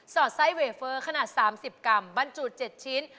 อดไส้เวเฟอร์ขนาด๓๐กรัมบรรจุ๗ชิ้น